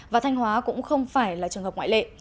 và thanh hóa cũng không phải là trường hợp ngoại lệ